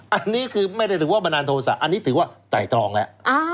อันนี้คือไม่ได้ถือว่าบันดาลโทษะอันนี้ถือว่าไตรตรองแล้ว